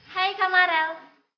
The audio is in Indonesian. hai kak marel